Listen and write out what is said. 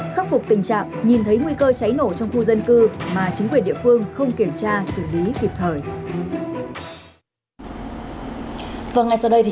khắc phục tình trạng nhìn thấy nguy cơ cháy nổ trong khu dân cư mà chính quyền địa phương không kiểm tra xử lý kịp thời